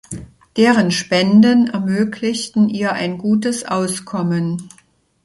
Deren Spenden ermöglichten ihr ein gutes Auskommen.